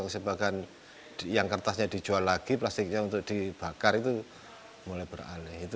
sebagian yang kertasnya dijual lagi plastiknya untuk dibakar itu mulai beralih